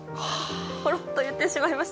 ポロッと言ってしまいました。